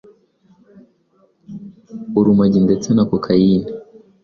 urumogi ndetse na kokayine